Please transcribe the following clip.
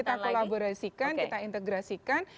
nanti akan kita kolaborasikan kita integrasikan